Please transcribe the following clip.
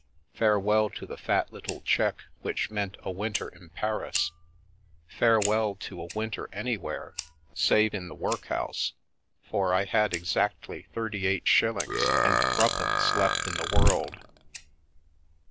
Farewell to the fat little cheque which meant a winter in Paris, farewell to a winter anywhere save in the workhouse, for I had exactly thirty eight shillings and threepence left in the world.